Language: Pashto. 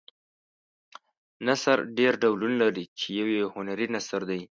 نثر ډېر ډولونه لري چې یو یې هنري نثر دی.